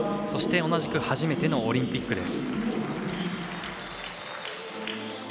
そして同じく初めてのオリンピックです。